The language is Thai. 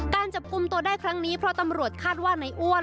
การจับกลุ่มตัวได้ครั้งนี้เพราะตำรวจคาดว่าในอ้วน